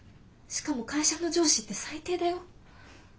しかも会社の上司って最低だよ。